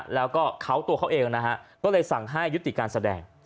แล้วก็เขาตัวเขาเองนะฮะก็เลยสั่งให้ยุติการแสดง